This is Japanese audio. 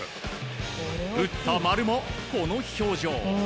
打った丸もこの表情。